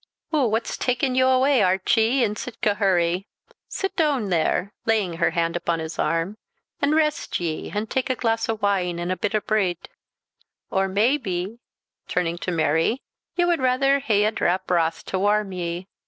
"Oo, what's takin' ye awa, Archie, in sic a hurry? Sit doon there," laying her hand upon his arm, "an' rest ye, an' tak a glass o' wine, an' a bit breed; or may be," turning to Mary, "ye wad rather hae a drap broth to warm ye.